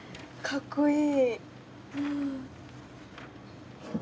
かっこいい！